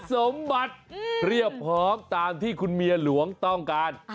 สมบัติเรียบพร้อมตามที่คุณเมียหลวงต้องการ